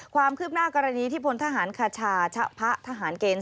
ความคืบหน้ากรณีที่พลทหารคชาชะพะทหารเกณฑ์